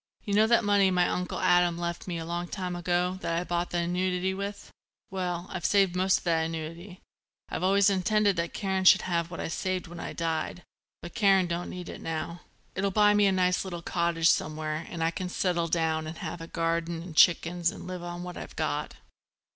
You know that money my Uncle Adam left me a long time ago that I bought the annuity with. Well, I've saved most of that annuity; I'd always intended that Karen should have what I'd saved when I died. But Karen don't need it now. It'll buy me a nice little cottage somewhere and I can settle down and have a garden and chickens and live on what I've got."